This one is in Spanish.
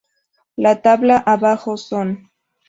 La tabla abajo son...